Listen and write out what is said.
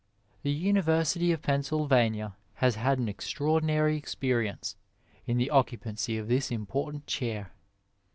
The University of Pennsylvania has had an extra ordinaiy erpenence in the occupancy of this important chair.